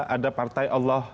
ada partai allah